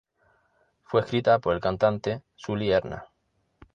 Fue escrita por el cantante Sully Erna.